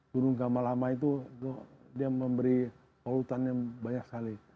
gunung gama lama itu dia memberi olutannya banyak sekali